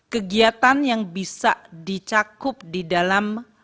kegiatan yang bisa dicakup di dalam